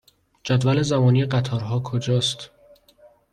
جدول زمانی قطارها کجا است؟